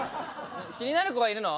気になる子がいるの？